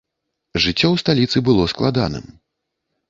Жыццё ў сталіцы было складаным.